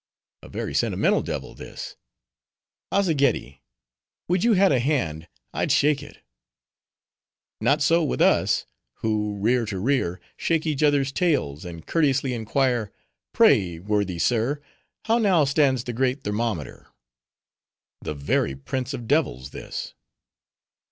"A very sentimental devil, this. Azzageddi, would you had a hand, I'd shake it." "Not so with us; who, rear to rear, shake each other's tails, and courteously inquire, 'Pray, worthy sir, how now stands the great thermometer?'" "The very prince of devils, this."